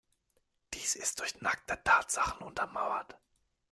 Dies ist durch nackte Tatsachen untermauert.